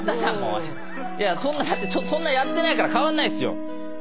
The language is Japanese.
そんなだってやってないから変わんないっすよ！